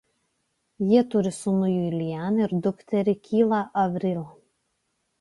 Jie turi sūnų Julian ir dukterį Kyla Avril.